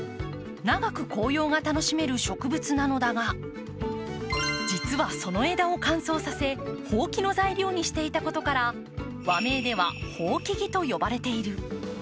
長く紅葉が楽しめる植物なのだが、実はその枝を乾燥させ、ほうきの材料にしていたことから和名ではホウキギと呼ばれている。